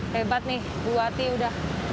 hebat nih buati udah